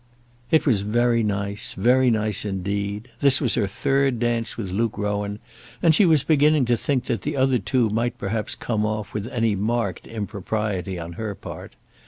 It was very nice, very nice indeed. This was her third dance with Luke Rowan, and she was beginning to think that the other two might perhaps come off without any marked impropriety on her part.